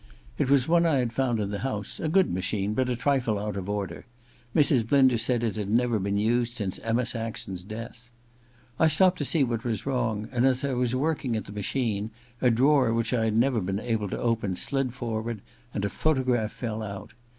It was one I had found in the house, a good machine but a trifle out of order : Mrs. Blinder said it had never been used since Enima Saxon's death. I stopped to see what was wrong, and as I was working at the machine a drawer which I had never been able to open slid forward^ and a photograph fell out.